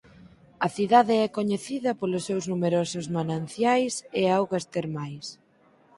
A cidade é coñecida polos seus numerosos mananciais e augas termais.